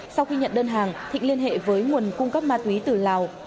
sau khi nhận đơn hàng thịnh liên hệ với nguồn cung cấp ma túy từ lào